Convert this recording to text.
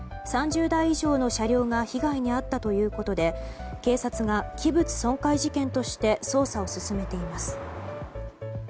３０台以上の車両が被害に遭ったということで警察が器物損壊事件として捜査を進めています。